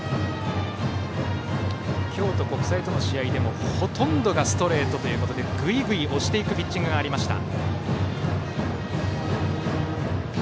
京都国際との試合でもほとんどがストレートでぐいぐい押していくピッチングがありました。